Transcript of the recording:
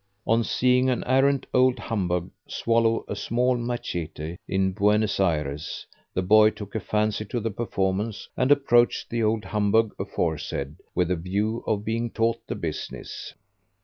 On seeing an arrant old humbug swallow a small machete, in Buenos Ayres, the boy took a fancy to the performance, and approached the old humbug aforesaid with the view of being taught the business.